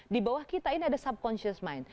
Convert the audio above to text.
di bawah kita ini ada subconsious mind